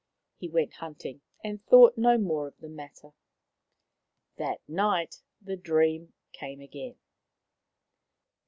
He went hunting, and thought no more of the matter. That night the dream came again.